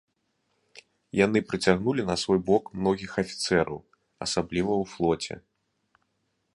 Яны прыцягнулі на свой бок многіх афіцэраў, асабліва ў флоце.